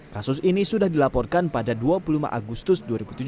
kasus ini sudah dilaporkan pada dua puluh lima agustus dua ribu tujuh belas